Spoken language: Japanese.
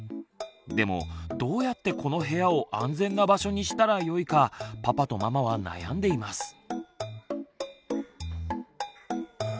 でもどうやってこの部屋を安全な場所にしたらよいかパパとママは悩んでいます。